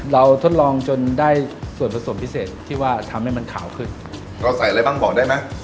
ทดลองจนได้ส่วนผสมพิเศษที่ว่าทำให้มันขาวขึ้นเราใส่อะไรบ้างบอกได้ไหม